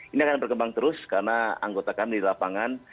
ini akan berkembang terus karena anggotakan di lapangan